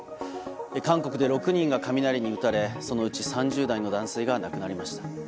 韓国で６人が雷に打たれそのうち３０代の男性が亡くなりました。